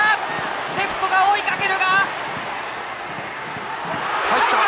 レフトが追いかけるが入った！